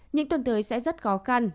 những tuần tới sẽ rất khó khăn